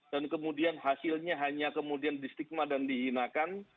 dan kemudian hasilnya hanya kemudian distigma dan dihinakan